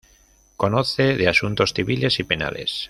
Conoce de asuntos civiles y penales.